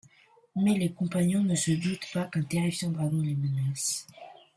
Mais les compagnons ne se doutent pas qu'un terrifiant dragon les menace.